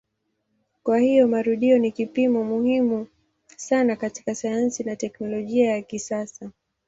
Kwa hiyo marudio ni kipimo muhimu sana katika sayansi na teknolojia ya kisasa.